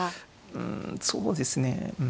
うんそうですねうん。